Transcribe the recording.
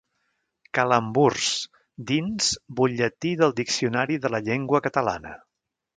«Calamburs» dins Butlletí del Diccionari de la Llengua Catalana.